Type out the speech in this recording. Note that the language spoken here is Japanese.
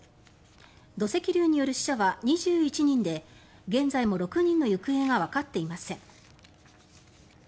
土石流による死者は２１人で現在も６人の行方がわかっていません。